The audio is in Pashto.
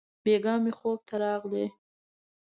بېګاه مي خوب ته راغلې!